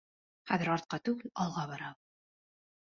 Хәҙер артҡа түгел, алға барабыҙ.